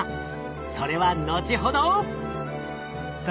それは後ほど！